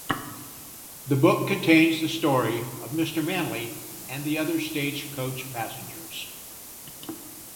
The book contains the story of Mister Manly and the other stage coach passengers.